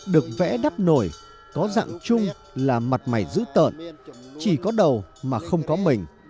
được vẽ đắp nổi có dạng chung là mặt mày giữ tợn chỉ có đầu mà không có mình